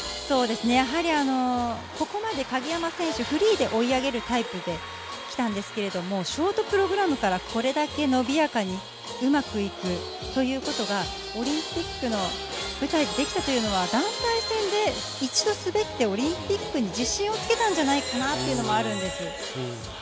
ここまで鍵山選手、フリーで追い上げるタイプできたんですけど、ショートプログラムからこれだけ伸びやかにうまくいくということはオリンピックの舞台でできたというのは、団体戦で一度滑ってオリンピックに自信をつけたんじゃないかなっていうのもあるんです。